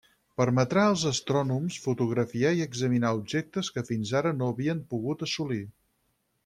Permetrà als astrònoms fotografiar i examinar objectes que fins ara no havien pogut assolir.